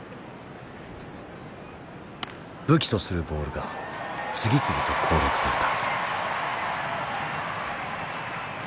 武器とするボールが次々と攻略された。